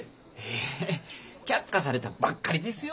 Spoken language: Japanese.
え却下されたばっかりですよ。